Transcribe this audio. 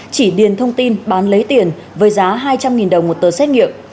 chỉ điền thông tin bán lấy tiền với giá hai trăm linh đồng một tờ xét nghiệm